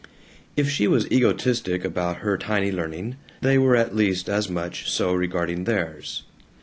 If she was egotistic about her tiny learning, they were at least as much so regarding theirs.